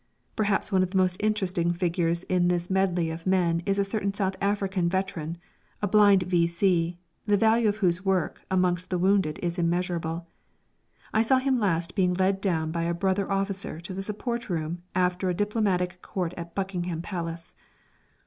Perhaps one of the most interesting figures in this medley of men is a certain South African veteran, a blind V.C., the value of whose work amongst the wounded is immeasurable. I last saw him being led down by a brother officer to the supper room after a diplomatic Court at Buckingham Palace.